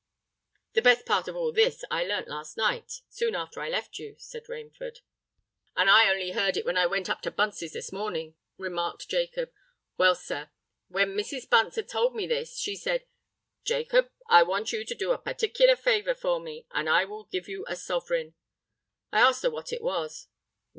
"The best part of all this I learnt last night, soon after I left you," said Rainford. "And I only heard it when I went up to Bunce's this morning," remarked Jacob. "Well, sir—when Mrs. Bunce had told me this, she said, 'Jacob, I want you to do a particular favour for me, and I will give you a sovereign.'—I asked her what it was.